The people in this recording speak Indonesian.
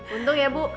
untung ya bu